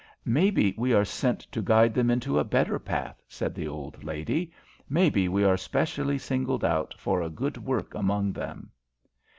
"Maybe we are sent to guide them into a better path," said the old lady. "Maybe we are specially singled out for a good work among them."